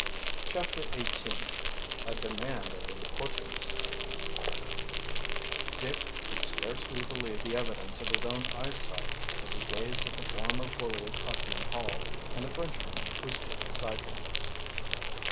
CHAPTER XVIII A DEMAND OF IMPORTANCE Dick could scarcely believe the evidence of his own eyesight as he gazed at the former bully of Putnam Hall and the Frenchman who stood beside him.